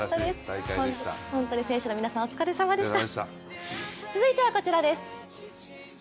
本当に選手の皆さんお疲れさまでした。